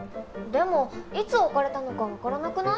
でもいつ置かれたのか分からなくない？